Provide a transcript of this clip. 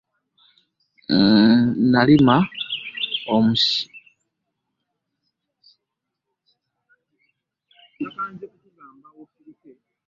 Nalima omusiru gwa katunkuma.